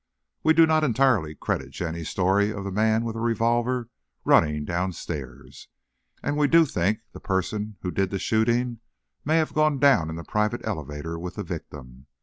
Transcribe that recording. "We do not entirely credit Jenny's story of the man with a revolver running downstairs. And we do think that the person who did the shooting may have gone down in the private elevator with the victim.